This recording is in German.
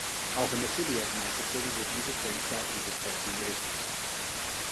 Auch im Affiliate-Marketing wird diese Kennzahl im Reporting berücksichtigt.